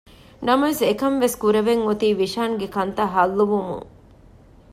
ނަމަވެސް އެކަންވެސް ކުރެވެން އޮތީ ވިޝާންގެ ކަންތައް ހައްލުވުމުން